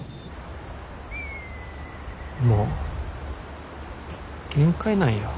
もう限界なんよ。